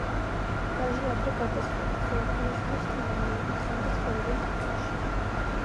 ვაჟი ადრე გარდაცვლილა, ხოლო ქალიშვილის შთამომავლები დღემდე ცხოვრობენ თურქეთში.